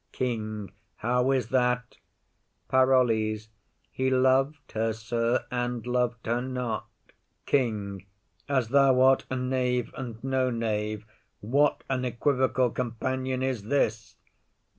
KING. How is that? PAROLLES. He lov'd her, sir, and lov'd her not. KING. As thou art a knave and no knave. What an equivocal companion is this!